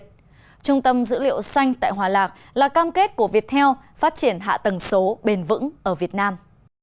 trung tâm dữ liệu xanh tại hòa lạc là cam kết của viettel phát triển hạ tầng số bền vững ở việt nam